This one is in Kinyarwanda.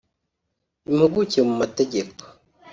imuguke mu mategeko